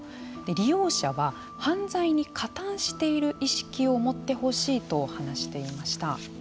利用者は犯罪に加担している意識を持ってほしいと話していました。